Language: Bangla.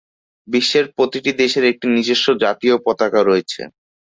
বিশ্বের প্রতিটি দেশের একটি নিজস্ব জাতীয় পতাকা রয়েছে।